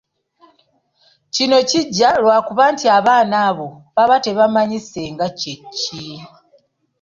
Kino kijja lwakuba nti abaana abo baba tebamanyi ssenga kye ki.